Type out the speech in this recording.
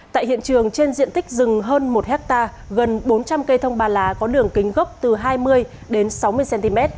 tại hiện trường trên diện tích rừng hơn một hectare gần bốn trăm linh cây thông ba lá có đường kính gốc từ hai mươi đến sáu mươi cm